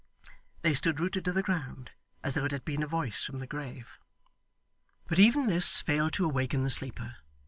They stood rooted to the ground, as though it had been a voice from the grave. But even this failed to awaken the sleeper.